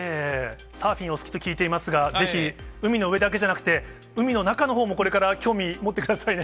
サーフィンお好きと聞いていますが、ぜひ海の上だけじゃなくて、海の中のほうもこれから興味持ってくださいね。